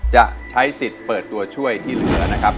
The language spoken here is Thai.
จะใช้สิทธิ์เปิดตัวช่วยที่เหลือนะครับ